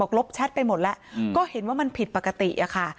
ลบแชทไปหมดแล้วก็เห็นว่ามันผิดปกติอะค่ะ